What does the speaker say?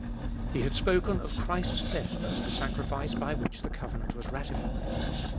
He had spoken of Christ's death as the sacrifice by which the covenant was ratified.